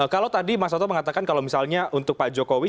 kalau tadi mas toto mengatakan kalau misalnya untuk pak jokowi